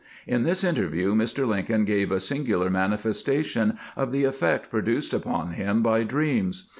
In this interview Mr. Lincoln gave a singular manifestation of the effect produced upon him by dreams.